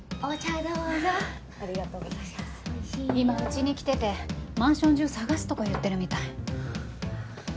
今うちに来ててマンション中捜すとか言ってるみたい。